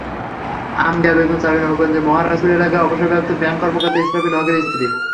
আম্বিয়া বেগম চাঁপাইনবাবগঞ্জের মহারাজপুর এলাকার অবসরপ্রাপ্ত ব্যাংক কর্মকর্তা ইসরাফিল হকের স্ত্রী।